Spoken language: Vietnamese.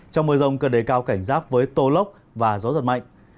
trong mưa rông cơ đề cao cảnh giáp với tô lốc và gió giật mạnh